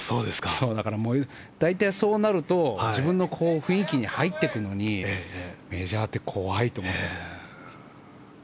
だから、大体そうなると自分の雰囲気に入っていくのにメジャーって怖いと思った。